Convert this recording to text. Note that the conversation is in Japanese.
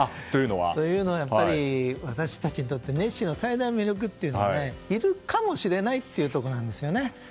というのは、私たちにとってネッシーの最大の魅力というのはいるかもしれないというところなんですよね。